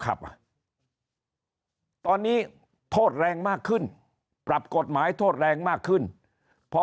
ครับอ่ะตอนนี้โทษแรงมากขึ้นปรับกฎหมายโทษแรงมากขึ้นพอ